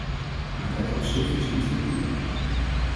Maar dat op zich is niet voldoende.